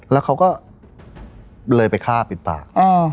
แล้วเขาก็เลยไปฆ่าปิดปาก